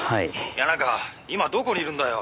「谷中今どこにいるんだよ」